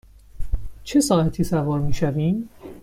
چه ساعتی سوار می شویم؟